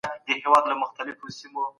چارواکي به د وګړو غوښتنو ته غوږ نیسي.